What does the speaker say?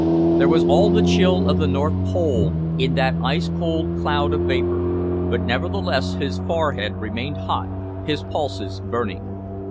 There was all the chill of the North Pole in that ice cold cloud of vapour, but nevertheless his forehead remained hot, his pulses burning.